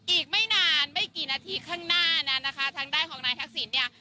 อีกไม่นานไม่กี่นาทีข้างหน้านั้นนะคะทางด้านของนายทักษิณเนี่ย